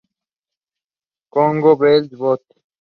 Congo Belge", Bot.